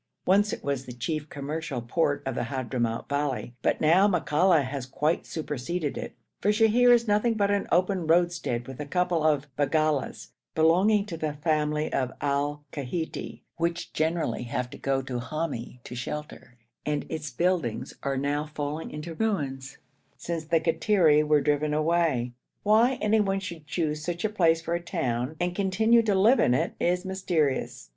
Once it was the chief commercial port of the Hadhramout valley, but now Makalla has quite superseded it, for Sheher is nothing but an open roadstead with a couple of baggalas belonging to the family of Al Kaiti, which generally have to go to Hami to shelter, and its buildings are now falling into ruins, since the Kattiri were driven away. Why anyone should choose such a place for a town, and continue to live in it, is mysterious.